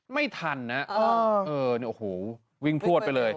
ไม่ทันนะเออโอ้โหวิ่งพลวดไปเลย